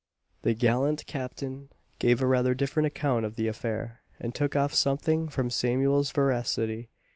The gallant Captain gave a rather different account of the affair: and took off something from Samuel's veracity.